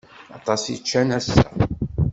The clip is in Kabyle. Aṭas i ččan ass-a.